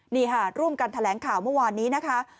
นี่ค่ะร่วมกันแถลงข่าวเมื่อวานนี้นะคะ